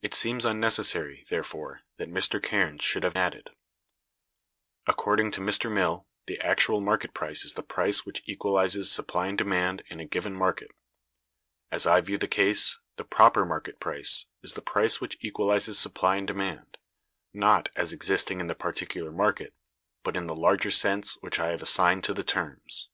It seems unnecessary, therefore, that Mr. Cairnes should have added: "According to Mr. Mill, the actual market price is the price which equalizes supply and demand in a given market; as I view the case, the 'proper market price' is the price which equalizes supply and demand, not as existing in the particular market, but in the larger sense which I have assigned to the terms.